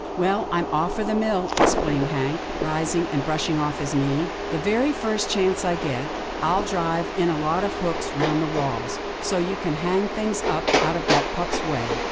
''Well, I'm off for the mill," exclaimed Hank, rising and brushing off his knees. " The very first chance I get, I'll drive in a lot of hooks round the walls, so you can hang things up out of that pup's way.